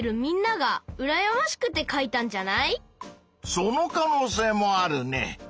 その可能性もあるね！